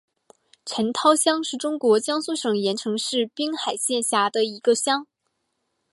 陈涛乡是中国江苏省盐城市滨海县下辖的一个乡。